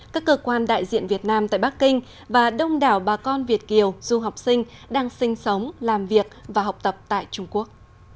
các cơ quan đại diện việt nam tại bắc kinh và đông đảo bà con việt kiều du học sinh đang sinh sống làm việc và học tập tại trung quốc